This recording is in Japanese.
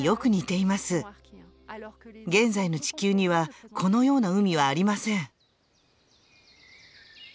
現在の地球にはこのような海はありません。